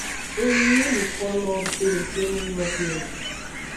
Enyi yi nukonowo be nggbe nu nyode o.